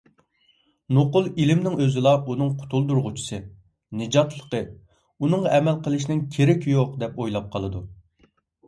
نوقۇل ئىلىمنىنڭ ئۆزىلا ئۇنىڭ قۇتۇلدۇرغۇچىسى، نىجاتلىقى، ئۇنىڭغا ئەمەل قىلىشنىڭ كېرىكى يوق، دەپ ئويلاپ قالىدۇ.